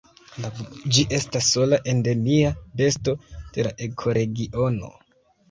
Ĝi estas la sola endemia besto de la ekoregiono.